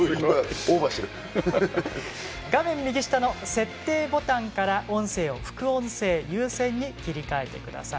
画面右下の設定ボタンから音声を副音声優先に切り替えてください。